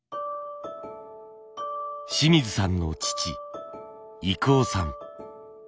清水さんの父郁男さん。